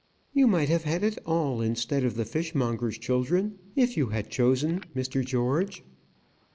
You might have had it all, instead of the fishmongers' children, if you had chosen, Mr. George."